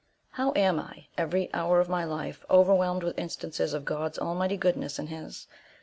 How am I, every hour of my life, overwhelmed with instances of God Almighty's goodness and his!